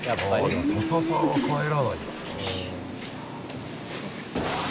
でも土佐さんは帰らないんだな。